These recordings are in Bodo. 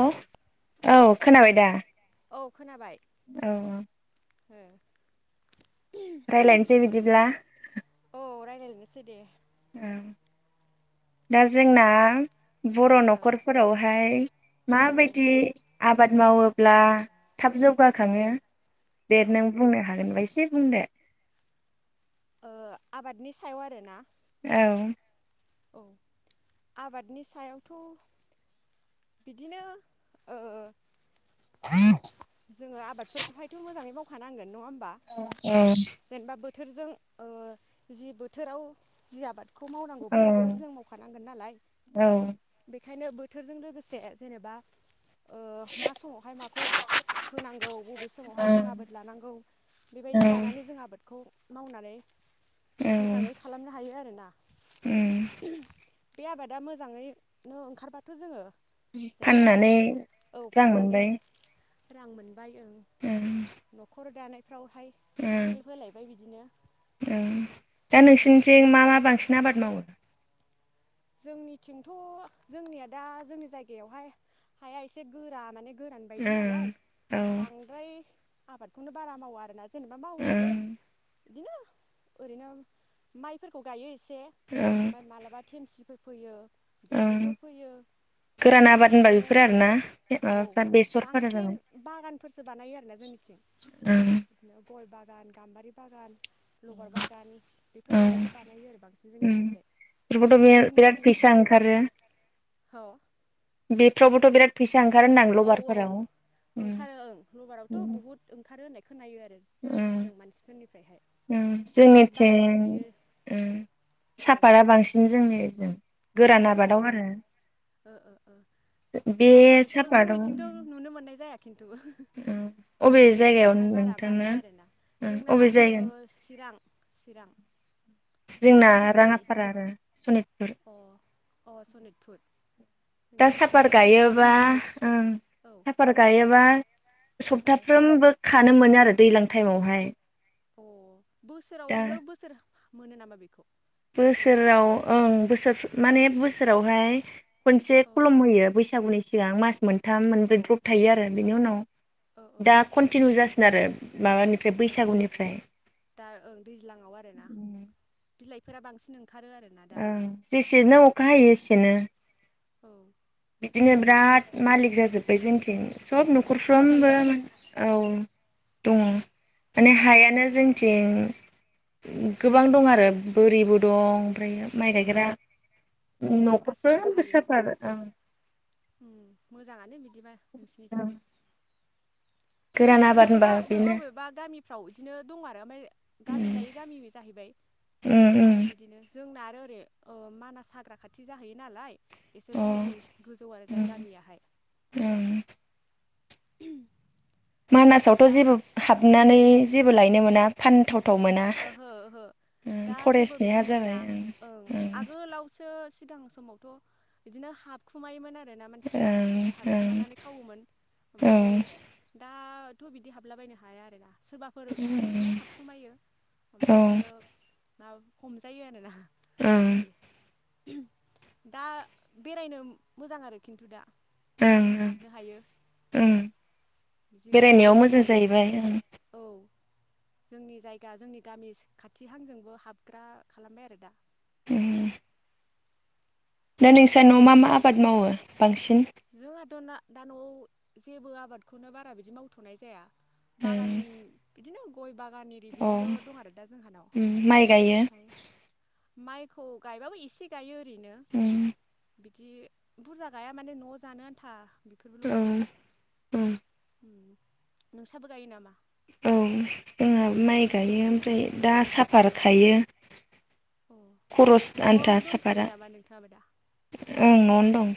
हेल औ खोनाबाय दा? औ खोनाबाय। औ ओ रायलायनोसै बिदिब्ला। औ राय्लायलायनोसै दे। ओं दा जोंना बर' औ न'खरफोरावहाय औ माबायदि आब बाद मावोब्ला थाब जौगाखाङो। औ दे नों बुंनो हागोन बा इस से बुंदो। ओ आबादनि सायाव आरोना औ औ आबादनि सायावथ' बिदिनो ओ जोङो आबादफोरखौहायथ' मोजाङै मावखानांगोन नङा होम औ थोरजों ओ जि बोथोराव जि आबाद खौ मावनांगौ औ बे बोथोराव जों मावखानांगोन नालाय औ बे खायनो बोथोरजों लोगोसे जेनेबा ओ मा समावहाय माखौ होनांगौ बबे समावहाय जों आबाद लानांगौ बेबायदि लानानै जों आबाद खौ मावनानै औ मोजाङै खालामनो हायो आरो उम बे आबादा मोजाङैनो ओंखारबाथ' जोङो जेनेबा फाननानै औ रां फाननानै मोनबाय। रां मोन बाय ओं न'खर दानाय फ्रावहाय ओं हेल्प होलायबाय बिदिनो ओं दा औ नोंसिनिथिं मा मा बांसिन आबाद मावो? जोंनिथिंथ' जोंनिया दा जोंनि जायगायावहाय हाया एसे गोरा माने गोरान बायदि ओं नालाय औ बांद्राय आबादखौनो बारा मावा आरो ना जेनेबा मावोबाबो ओं बिदिनो ओरैनो माइफोरखौ गायो इ से ओं ओमफाय मालाबा थेमसि होफैयो ओं बेसरफोर फैयो गोरान आबाद होनबा बिदिनो बेफोर आरोना औ माबाफ्रा बेसरफोरा जाबाय बांसिन बागानफोरसो बानायो आरो ना जोंनिथिं ओं बिदिनो गय बा गान गाम्बारि बागान। लबार बागान बेफोर ओं बायदिखौ बानायो आरो बांसिन उम जोंनिथिंजाय बेफोरखौथ' बे नोंसिनि बिराद फैसा ओंखारो। बेफ्रावबोथ' बिराद फै औ औ ओंखारो ओं लबारावथ' उम बुहुद ओंखारो होननाय खोनायो आरो जों मानसिफोरनि ओं जोंनिथिं ओ औ साफातआ बांसिन जोंनिजों। अ ओ ओ ओ बे साफातखौ सापाताव जोंनिथिंथ' नुनो मोननाय जाया खिन्थु अबे जोंनि जायगायाव जायगायावहाय बारा नोंथांना बानाया आरो ना जोंना अबे जायगा ओ चिरां चिरां। जोंना चिरां बिजनि राङाफारा आरो सनितपुर। अ अ सनितपुर। दा जोंनिया साफत चिरां बिजनि गायोबा बिदि ओं औ साफात गायोबा ओ सप्ताफ्रोमबो। खानो मोनो आरो दैज्लां टाइमावहाय। अ दा बोसोरावनो बोसोर। मोनो नामा बेखौ? जेनेबा बोसोराव ओं बोसोर माने। बोसोरावहाय खनसे औ खलम होयो बैसागुनि सिगां मास मोन थाम औ मोनब्रै द्रप थायो आरो बेनि उनाव दा कनटिनिउ जासि [unintelligible] अ दा ओं दैज्लाङाव आरोना। बिलाइफोरा बांसिन ओं ओं जेसेनो अखा हायो एसेनो। औ। बिदिनो मोजाङानो बिराद मालिक जाजोब्बाय जोंथिं सब ओ नोंस्राबो गायो नखरफ्रोमबो नामा औ। दङ। माने अ हायानो जोंथिं ओ गोबां दं आरो बोरि बो। दं ओमफ्रायो माइ गायग्रा। औ नख'रफ्रोमबो साफात ओं मोजांङानो बिदि बिदिबा ओं नोंसिनिथिंबो गोरान जोंनिथिंबो आबाद होनबा अबेबा अबेबा बेनो अबेबा गामिफ्राव बिदिनो दं आरो ओमफ्राय गामि लायै गामि जाहैबाय उम उम बिदिनो जोंना आरो ओरै ओ मानास हाग्रा खाथि जाहैयो नालाय एसे अ बोरि गोजौआनो जाय उम गामियाहाय ओं मानासावथ बिदिबा जेबो हाबनानै जेबो लायनो मोना फानथाव ओहो ओहो दा जेबो फरेस्टनिया बिदि मोना जाबाय ओं आगोलावसो सिगां समाव थ बिदिनो हाबखुमायोमोन आरो मानसिफोरा ओफ्राय ओं हाबखुमानानै खावोमोन ओमफ्राय ओं दाथ बिदि हाबलाबायनो हाया आरोना सोरबाफोर बिदिनो हाबखुमायो ओं ओमफ्रायो ना खम जायो आरो ना औ ओं बिदि ओहोम दा बेरायनो मोजां आरो खिन्थु दा ओं ओं हाबनो हायो ओं जिब बेरायनायाव जुनार इदि मोजां नायनो जाहैबाय ओं औ जोंनि जायगा जोंनि गामि खाथिहांजोंबो हाबग्रा खालामबाय आरो दा उम दा जिब नोंस्रा जुनार न'आव मा एरि मा आबाद बिदि मावो बांसिन जोंहाथ ना दा नआव जेबो आबादखौनो बारा बिदि मावथनाय जाया बागान उम बिदिनो गय बा गान इरि अ बिदिल उम दं आरो दा जोंहानाव माइ गायो ओमफाय माइखौ गायबाबो एसे गायो ओरैनो उम बिदि बुरजा गाया माने नआव जानो आन्था बेफोरबोल औ गायो आरो औ उम नोंस्राबो गायो नामा औ जोंहा माइ गायो ओमफ्राय दा साफार खायो अ खरस आन्था न'आवनो दंथ'यो साफातआ नामा नोंथाङाबो दा ओं नआवनो दं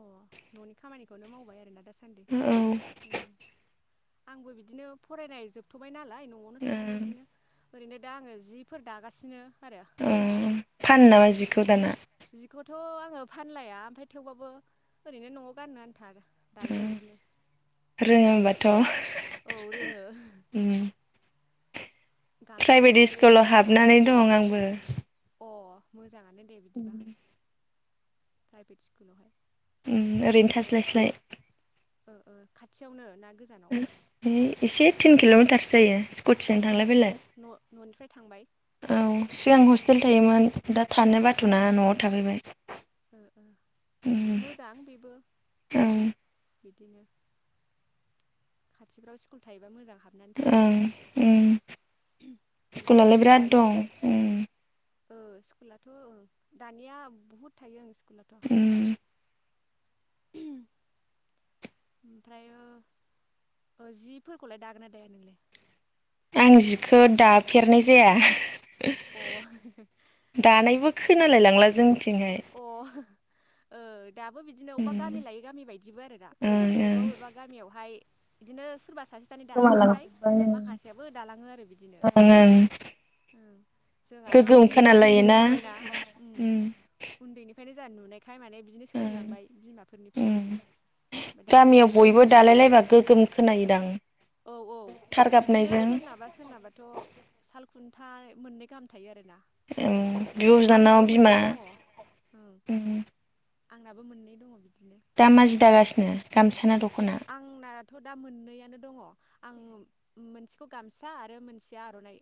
अह न'नि खामानिखौनो मावबाय आरोना दासान्दि दं औ उम आंबो बिदिनो फरायनाय जोबथबाय नालाय न'आवनो थानानै ओं इदिनो ओरैनो दा आङो जिफोर दागासिनो आरो उम फानो नामा जि खौ दाना जिखौथ' आङो फानलाया ओमफ्राय थेवबाबो ओरैनो न'आव गाननो आनथा आरो दायो इदिनो ओग रोङोबाथ' औ रोङो उम गामसाफोर प्राइभेट दायो स्कुलाव माबाफोर हाबनानै दं आंबो मोजाङा दे बिदिबा प्राइभेट स्कुलावहाय उम ओ ओरैनो थास्लाय स्लाय ओ ओ खाथियावनो ना गोजानाव ओइ एसे थिन किल'मिटार जायो। ए स्कुटिजों थांलाय न' फैलाय। न' न'निफ्राय थांबाय औ सिगां हस्टेल थायोमोन दा थानो अ बाथ'ना ओ न'आव थाफैबाय। ओ उम मोजां बेबो ओं बिदिनो खाथिफ्राव स्कुल थायोबा मोजां हाबनानै ओं थानायानो उम फैसाबो स्कुलालाय बिराद फैबाय दं आरो उम ओ स्कुलाथ' ओ दानिया बुहुद थायो ओं स्कु लाथ' उम ओमफ्रायो ओ जिफोरखौलाय दागोन ना दाया नोंलाय? आं जिखौ दाफेरनाय जाया अ ओ दानायबो खोनालाय लांला जोंथिंहाय अ ओ दाबो बिदिनो बबेबा ओं गामि लायै गामि बायदिबो आरो दा बबेबा ओं बबेबा गामियावहाय बिदिनो सोरबा सासे सानै ओं दादावबाथाय माखासेयाबो दालाङो आरो बिदिनो। ओं उम जों आरो गोगोम उन्दैनिफ्रायनो खोनालायोना नुबायना उम उन्दैनि फ्रायनो जोंहा नुनाय खाय माने बिदिनो ओं सोलोंलांबाय बिमाफोरनिफ्राय उम ओमफ्राय दा गामियाव रोंलांबाय बयबो आरो दालायलायबा गोगोम खोनायोदां औ औ थार बिदिनो गाबनायजों सोरनाबा सोरनाबाथ' साल खु था मोननै गाहाम थायो आरो उम बिब' बिनानानाव बिमा दङ ओं उम। आंनाबो मोननै दङ' बि दामा जि दागासिनो गामसा ना दख' आंना थ' दा मोननैयानो दङ आं मोनसेखौ गामसा आरो मोनसेया आर'नाइ।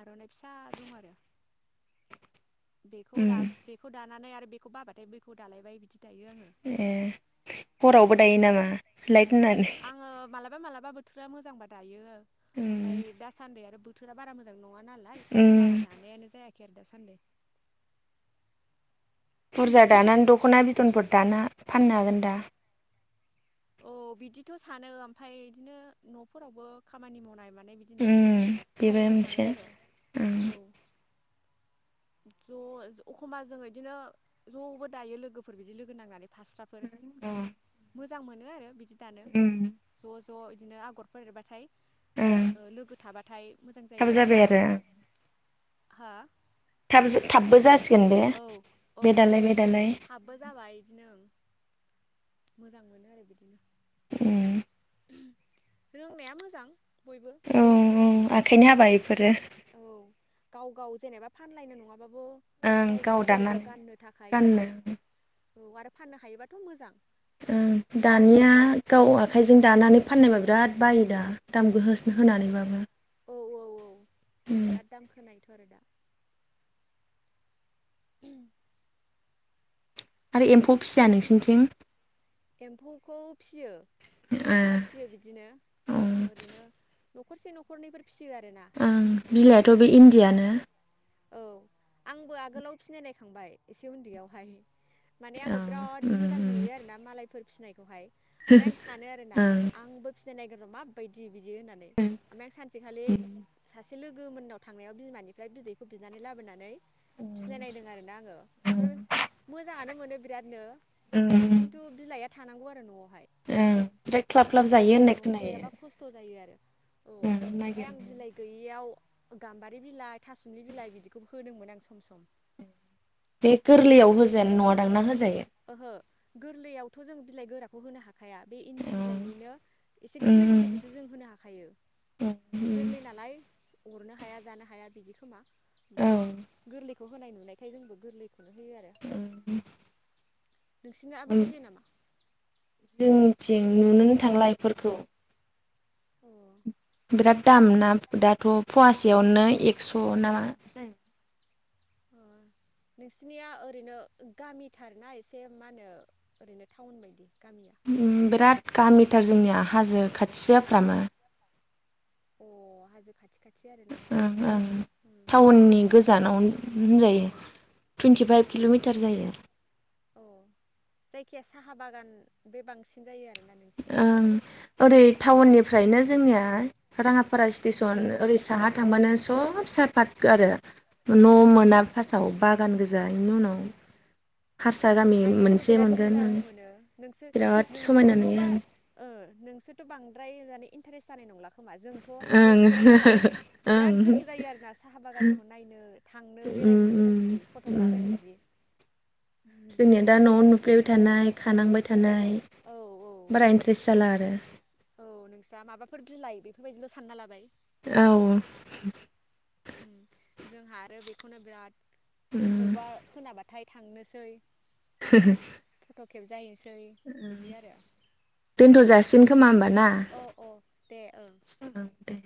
आर'नाइ फिसा दं आरो। बेखौ उम दा बेखौ दा नानै आरो बेखौ बाबाथाय बैखौ दालायबाय बिदि दायो आङो ए हरावबो दायो नामा लाइट होनानै आङो माला बा मालाबा बोथोरा मोजांबा दायो। ओमफाय उम दासान्दौआरो बो थोरा बारा मो जां नङानालाय उम बारादानायानो जाया खेर दासान्दै। बुरजा दाना दख'ना बिथदनफोर दाना फाननो हागोनदा। औ बिदिथ' सानो ओमफाय इदिनो नफोरावबो खामानि मावनाय माने बिदिनो उम बेबो थायेमा थाङो मोनसे आरो औ। ओं ज' अखमबा जोङो इदिनो ज'बोदायो लोगोफोर बिदि लोगोनांनानै हास्राफोर मोजांमो नो आरो दानो उम ज'ज' ज' इदिनो आग'रफोर एरबाथाय ओं ओ लोगो थाबाथाय मोजां थाब जायो आरो। जाबाय हो? थाब जा थाबबो जासि औ औ औ थाबबोजाबाय इदिनो ओं। मोजां मोनोआरो बिदिनो। उम। रोंनाया मोजां बयबो। खाइनि हाबा इफोरो। औ गाव गाव जेनेबा फानलायनो नङा नंगौ ओं गाव गाव दानानै गाननो थाखाय गाननो औ आरो फाननो हायोबाथ मोजां। ओं दानिया गाव आखाइजों दानानै फाननायबा बिराद बायोदा दाम गो होस होनानैबाबो औ औ औ उम बिराद दाम खोनायो [inaudible] आरो एम्फौ फिया नोंसिनिथिं? एम्फौखौफियो सोरबा ए सोरबा फियो बिदिनो औ ओरैनो नखरसे नखरनैफोर फियो आरोना ओं बिदि बिलायाथ बे इन्दियानो औ आंबो आगोलाव फिनायनायखांबाय एसे उन्दैयावहाय। मानेआङो औ ब्राद उम मोजांनुयोआरोना मालायफोर फिसिनायखौहाय ओमफायआं सानो आरोना उम आंबो फिस जे नायदों मोन माबायदि बिदि होननानै आ सानसेखालि ओं ससे लोगो मोननाव थांनायाव बिमानिफ्राय बिदै बिनानै लाबोनानै फिनायनायदों आरोना आङो उम मोजाङानो मोन बिरादनो उम उम खिनथु बिलाइया थानांगौ आरो न'आव ओं बेेक्लाब न'आव गैयाबा खस्थ' जायो आरो औ ओं ओमफफ्राय आं नागिरनो बिलाइ गैयैयाव गाम्बारि बिलाइ थासुमलि बिलाइ बिदिखौ होदोंमोन आं सम सम बे गोरलैयाव होजेन नंआ दांना हो ओहो गोरलैयावथ' जों बिलाइ गोराखौ होनो हा हाया बे इन्दि उम बिलाइनिनो एसे गोरलै उम गोरलैखौसो जों होनो हाखायो बे उम गोरलै नालाय अरनो हाया जानो हाया बिदिखोमा औ ओमफ्राय गोरलैखौ होनाय नुनायखाय जोंबो गोरलै ओ उम नोंसिनाबो फियो नामा? थिं नुनोनो थांला इफोरखौ। अ' बिराद दाम ना दाथ' फवास सेयावनो एक स' नामा? ओ नोंसिनिया ओरैनो गामिथार ना एसे मा होनो ओरैनो टाउन बायदि गामिया बिराद गामिथार जोंनिया हाजो खाथि जाफ्रामो। अ' हाजो खाथि खा ओं ओं टाउननि गोजानाव औ होनजायो टुइन्टिफाइभ किल'मिटार जायो। अ' जायखिया साहा बागान बे बांसिन जायो आर ओं ओरै टाउननि फ्रायनो जोंनिया राङापारा औ अ स्टेसन ओरै साहा थांबानो सब सापात आरो। न' ओ मोना फासाव बागान गोजा इनि उनाव हारसा गामि नायनोथ' मोनसे बिराद मोनगोन मोजां आं मोनो नोंसो बिराद समायना नोंसोरथ' बा नुयो ओ नोंसोरथ' बां द्राय [unintelligible] इन्टारेस जानाय नंला खोमा जोंथ' आं नुफेरा ओं नालाय ओं बिराद गोसो जायो आरोना साहा बागानखौ नायनो। थांनो उम बेरायहैनो बिदि उम फथक लानो उम बिदि। जोंनिया दा न'आव नुफ्लेबाय थानाय खानांबाय थानाय। औ औ [inaudible] बारा इन्ट्रेस जाला आरो। औ नोंस्रा माबाफोर बिलाइ बेफोरबायदिल' सानना लाबाय। औ। उम जोंहा आरो बेखौनो बिराद उम बबा खोनाबा थाय थांनोसै। खेबजा हैनोसै उम बेन्थ' जा सिन खोमा ओमबा। ना अ अ दे ओं ओ दे।